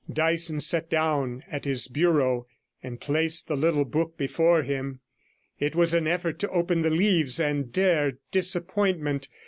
Dyson sat down at his bureau, and placed the little book before him; it was an effort to open the leaves and dare disappointment.